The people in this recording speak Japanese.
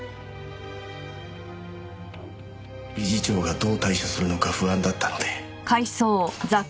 理事長がどう対処するのか不安だったので。